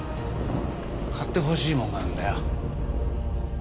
買ってほしいもんがあるんだよ。